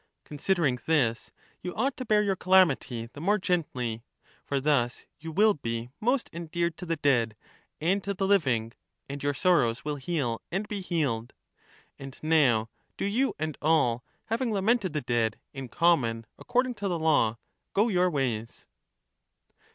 Considering this, you ought to bear your calamity the more gently ; for thus you will be most endeared to the dead and to the living, and your sorrows will heal and be healed. And now do you and all, having lamented the dead in common according to the law, go your ways.